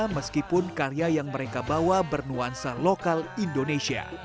meskipun karya yang mereka bawa bernuansa lokal indonesia